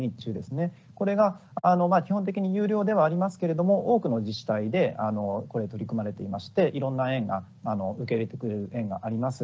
これが基本的に有料ではありますけれども多くの自治体でこれ取り組まれていましていろんな園が受け入れてくれる園があります。